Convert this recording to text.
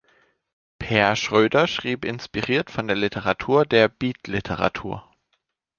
Peer Schröder schrieb inspiriert von der Literatur der Beat- Literatur.